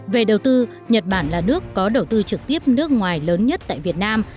về đầu tư nhật bản là nước có đầu tư trực tiếp nước ngoài lớn nhất tại việt nam